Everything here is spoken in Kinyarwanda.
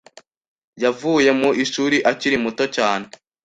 Yavuye mu ishuli akiri muto cyane